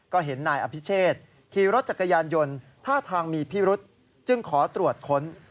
ก็เห็นนายอภิเชษขี่รถจักรยานยนต์ท่าทางมีพิรุษจึงขอตรวจค้น